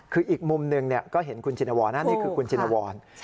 คืออีกมุมหนึ่งก็เห็นคุณชินวรนะนี่คือคุณชินวร